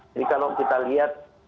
jadi kalau kita lihat